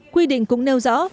quy định cũng nêu rõ